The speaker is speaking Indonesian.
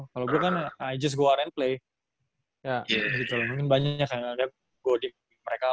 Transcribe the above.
kalau gua kan i just go out and play ya gitu loh lagi walter